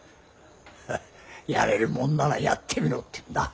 フンッやれるもんならやってみろってんだ。